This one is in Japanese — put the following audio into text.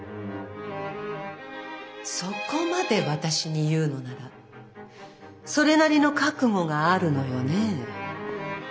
そこまで私に言うのならそれなりの覚悟があるのよね。